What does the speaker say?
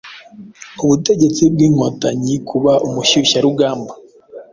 ubutegetsi bw,inkotanyi, kuba umushyushyarugamba